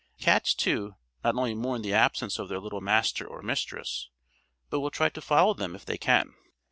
Cats too not only mourn the absence of their little master or mistress, but will try to follow them if they can.